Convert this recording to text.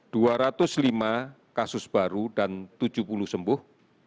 dua ratus lima kasus baru dan tujuh puluh sembuh